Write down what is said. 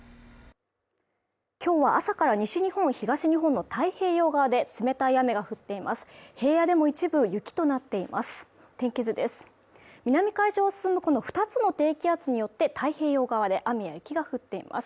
今日は朝から西日本東日本の太平洋側で冷たい雨が降っています